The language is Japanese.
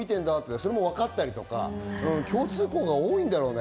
それもわかったりとか、共通項が多いんだろうね。